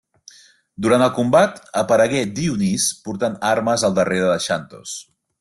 Durant el combat, aparegué Dionís portant armes al darrere de Xantos.